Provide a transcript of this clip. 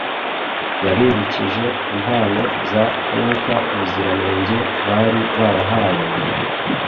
Yabibukije impano za Mwuka Muziranenge bari barahawe,